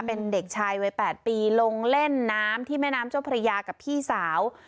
เป็นเด็กชายวัย๘ปีลงเล่นน้ำที่แม่น้ำเจ้าพระยากับพี่สาว